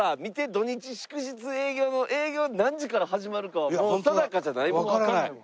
土日祝日営業の営業何時から始まるかはもう定かじゃないもん。